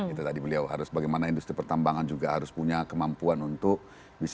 itu tadi beliau harus bagaimana industri pertambangan juga harus punya kemampuan untuk bisa